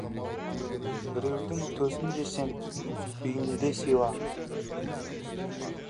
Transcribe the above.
Біреудің төсін жесең, үйіңде сыйла.